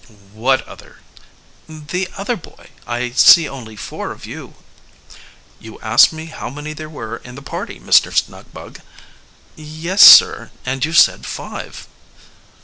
"What other?" "The other boy. I see only four of you." "You asked me how many there were in the party, Mr. Snugbug." "Yes, sir; and you said five."